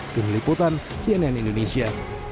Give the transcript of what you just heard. tim liputan cnn indonesia